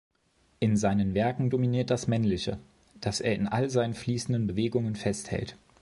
In seinen Werken dominiert das Männliche, das er in all seinen fließenden Bewegungen festhält.